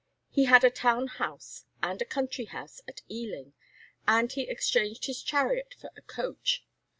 He had a town house, and a country house at Ealing, and he exchanged his chariot for a coach.